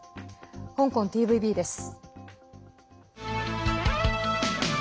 香港ＴＶＢです。